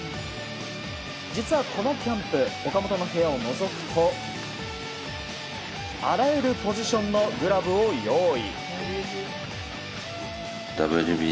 実はこのキャンプ岡本の部屋をのぞくとあらゆるポジションのグラブを用意。